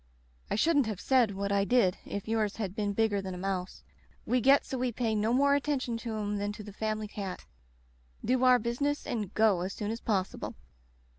I shouldn't have said what I did if yours had been bigger than a mouse. We get so we pay no more attention to 'em than to the family cat; do our business and go as soon as possible.